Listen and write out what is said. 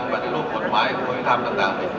ปฏิรูปผลไม้ปฏิรูปวิธรรมต่าง